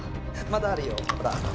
まだあるよほら。